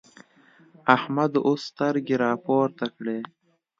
احمد اوس سترګې راپورته کړې.